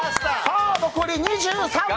残り２３匹！